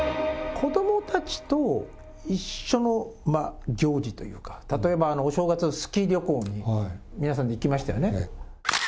子どもたちと一緒の行事というか、例えばお正月、スキー旅行に皆さんで行きましたよね。